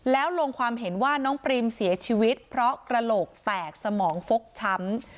แล้วลงความเห็นว่าน้องปรีมเสียชีวิตเพราะกระโหลกแตกสมองฟกช้ำ